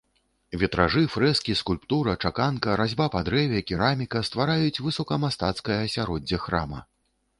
Вітражы, фрэскі, скульптура, чаканка, разьба па дрэве, кераміка ствараюць высокамастацкае асяроддзе храма.